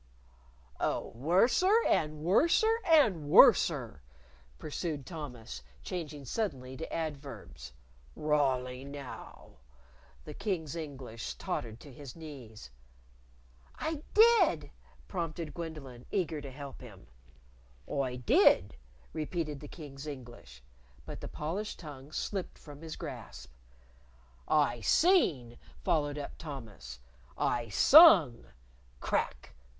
"Oh, worser and worser and worser," pursued Thomas, changing suddenly to adverbs. "Rawly now !" The King's English tottered to his knees. "I did," prompted Gwendolyn, eager to help him. "I did," repeated the King's English but the polished tongue slipped from his grasp! "I seen!" followed up Thomas. "I sung!" _Crack!